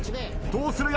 どうする？